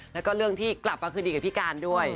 แล้วก็เรื่องที่กลับมาคืนดีกับพี่การด้วย